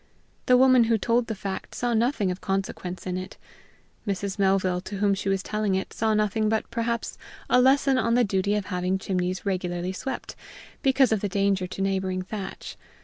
The woman who told the fact saw nothing of consequence in it; Mrs. Melville, to whom she was telling it, saw nothing but perhaps a lesson on the duty of having chimneys regularly swept, because of the danger to neighboring thatch.